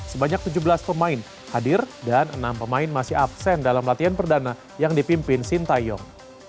sebanyak tujuh belas pemain hadir dan enam pemain masih absen dalam latihan perdana yang dipimpin sintayong